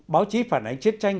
báo chí phản ánh chiến tranh